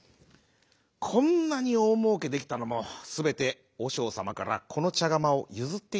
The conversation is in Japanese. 「こんなにおおもうけできたのもすべておしょうさまからこのちゃがまをゆずっていただいたおかげです。